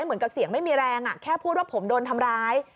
เหมือนกับเสียงไม่มีแรงแค่พูดว่าผมโดนทำร้าย